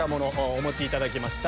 お持ちいただきました。